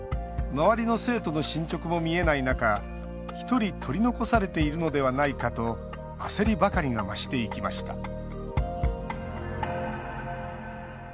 周りの生徒の進捗も見えない中１人取り残されているのではないかと焦りばかりが増していきました